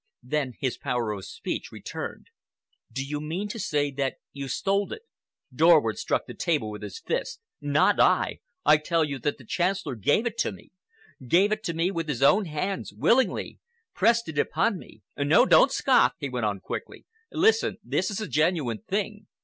Then his power of speech returned. "Do you mean to say that you stole it?" Dorward struck the table with his fist. "Not I! I tell you that the Chancellor gave it to me, gave it to me with his own hands, willingly,—pressed it upon me. No, don't scoff!" he went on quickly. "Listen! This is a genuine thing.